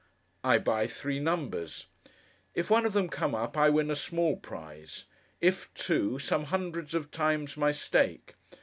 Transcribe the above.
I buy three numbers. If one of them come up, I win a small prize. If two, some hundreds of times my stake.